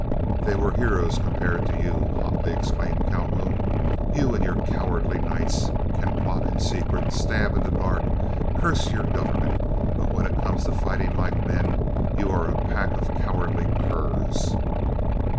"They were heroes, compared to you!" hotly exclaimed Calhoun. "You and your cowardly Knights can plot in secret, stab in the dark, curse your government, but when it comes to fighting like men you are a pack of cowardly curs."